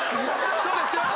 そうですよ。